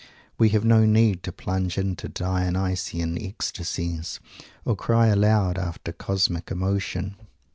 We have no need to plunge into Dionysian ecstacies, or cry aloud after "cosmic emotion."